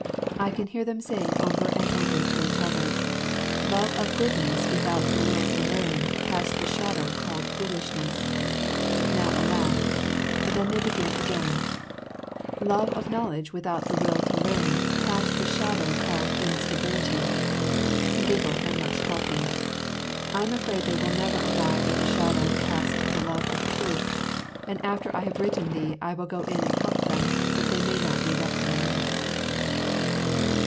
I can hear them saying over and over to each other, "Love of goodness without the will to learn casts the shadow called foolishness " now a laugh then again they begin, "Love of knowledge without the will to learn casts the shadow called instability " giggle and much talking. I am afraid they will never arrive at the shadow cast the love of truth, and after I have written thee I will go in and help them, that they may not be reprimanded.